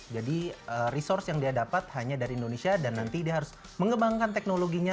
jadi resource yang dia dapat hanya dari indonesia dan nanti dia harus mengembangkan teknologinya